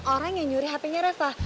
orang yang nyuri hpnya reva